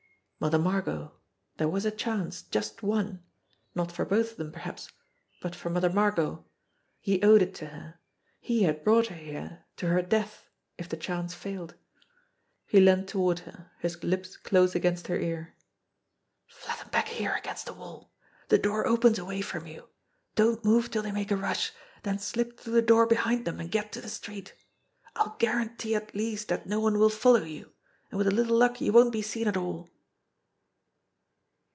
Mother Margot ! There was a chance. Just one. Not for both of them perhaps, but for Mother Margot. He owed it to her. He had brought her here to her death if the chance failed. He leaned toward her, his lips close against her ear. "Flatten back here against the wall. The door opens away from you. Don't move till they make a rush, then slip through the door behind them, and get to the street.^ I'll guarantee at least that no one will follow you, and with a little luck you won't be seen at all."